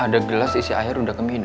ada gelas isi air udah keminum